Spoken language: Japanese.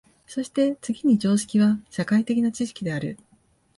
そして次に常識は社会的な知識である。